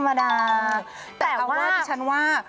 แต่ว่าแต่ว่าแต่ว่าแต่ว่าแต่ว่าแต่ว่าแต่ว่า